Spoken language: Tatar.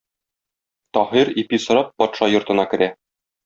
Таһир, ипи сорап, патша йортына керә.